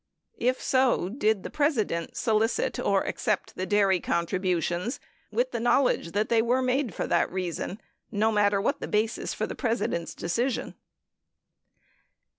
18 If so, did the President solicit or accept the dairy contribu tions with the knowledge that, they were made for that reason, no mat ter what the basis for the President's decision?